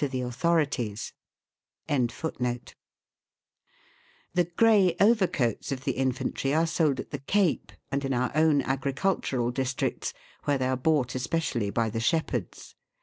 The grey overcoats of the infantry are sold at the Cape and in our own agricultural districts, where they are bought especially by the shepherds.